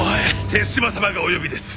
手嶌様がお呼びです。